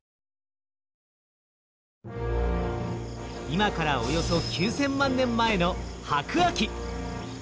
今からおよそ９，０００万年前の白亜紀。